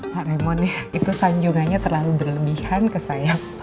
pak remon itu sanjungannya terlalu berlebihan ke saya